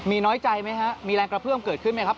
มีน้อยใจไหมฮะมีแรงกระเพื่อมเกิดขึ้นไหมครับ